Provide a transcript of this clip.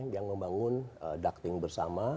yang membangun ducting bersama